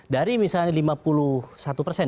dari misalnya lima puluh satu persen